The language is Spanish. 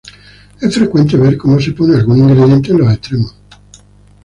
Es frecuente ver como se pone algún ingrediente en los extremos.